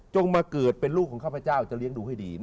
มาเกิดเป็นลูกของข้าพเจ้าจะเลี้ยงดูให้ดี